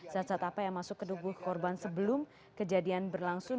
zat zat apa yang masuk ke tubuh korban sebelum kejadian berlangsung